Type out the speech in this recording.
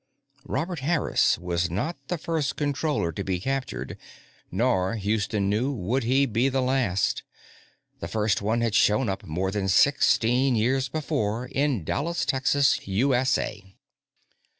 Robert Harris was not the first Controller to be captured, nor, Houston knew, would he be the last. The first one had shown up more than sixteen years before, in Dallas, Texas, USA.